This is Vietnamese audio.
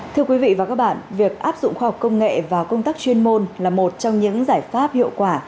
thưa quý vị và các bạn việc áp dụng khoa học công nghệ và công tác chuyên môn là một trong những giải pháp hiệu quả